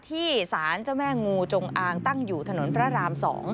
ที่สารเจ้าแม่งูจงอางตั้งอยู่ถนนพระราม๒